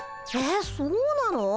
えっそうなの？